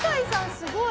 すごい。